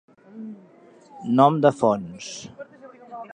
Nom de fonts.